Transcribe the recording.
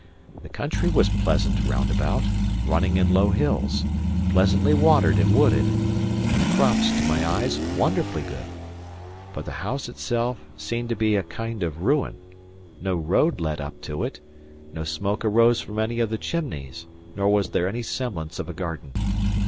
The country was pleasant round about, running in low hills, pleasantly watered and wooded, and the crops, to my eyes, wonderfully good; but the house itself appeared to be a kind of ruin; no road led up to it; no smoke arose from any of the chimneys; nor was there any semblance of a garden.